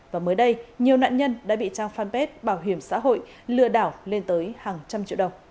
và mới đây nhiều nạn nhân đã bị trang fanpage bảo hiểm xã hội lừa đảo lên tới hàng trăm triệu đồng